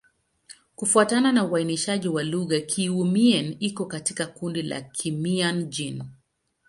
Kufuatana na uainishaji wa lugha, Kiiu-Mien iko katika kundi la Kimian-Jin.